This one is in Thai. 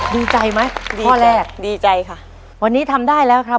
ดีใจไหมดีข้อแรกดีใจค่ะวันนี้ทำได้แล้วครับ